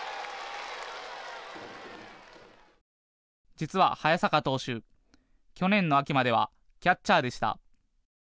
実は早坂投手、去年の秋まではキャッチャーでした。